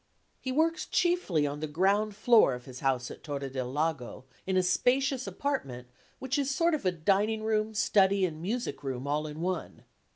He works chiefly on the ground floor of his house at Torre del Lago, in a spacious apartment which is a sort of dining room, study and music room all in one.